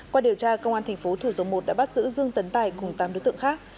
qua điều tra công an thành phố thủ dầu một đã bắt giữ dương tấn tài cùng tám đối tượng khác